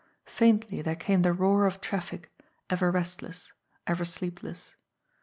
Faintly there came the roar of traffic, ever rest less, ever sleepless.